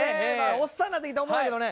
おっさんなってきたら思うんやけどね